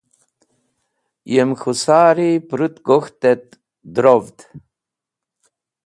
Yem k̃hũ sari pũrũt gok̃ht et darrovd.